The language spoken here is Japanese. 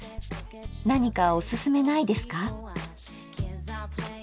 何かおすすめないですか？